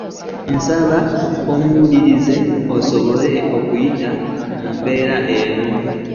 Nsaba omuwanirie asobole okuyita mu mbeera eno .